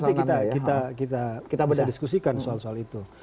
nanti kita bisa diskusikan soal soal itu